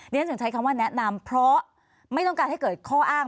ฉันถึงใช้คำว่าแนะนำเพราะไม่ต้องการให้เกิดข้ออ้าง